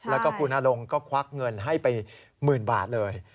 แล้วก็คุณนรงค์ก็ควักเงินให้ไปหมื่นบาทเลย